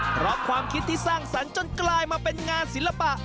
เพราะความคิดที่สร้างสรรค์จนกลายมาเป็นงานศิลปะ